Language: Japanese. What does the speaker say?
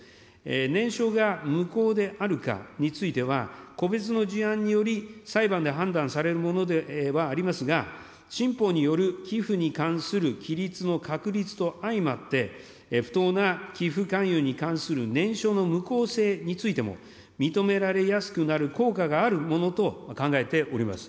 念書が無効であるかについて、個別の事案により、裁判で判断されるものではありますが、新法による寄付に関する規律の確立とあいまって、不当な寄付勧誘に関する念書の無効性についても、認められやすくなる効果があるものと考えております。